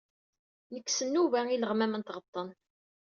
Nkes n nuba ileɣman d tɣeṭṭen.